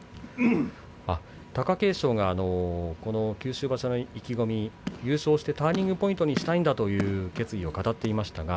貴景勝は九州場所の意気込み優勝してターニングポイントにしたいんだという決意を語っていました。